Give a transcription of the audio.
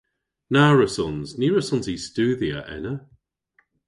Na wrussons. Ny wrussons i studhya ena.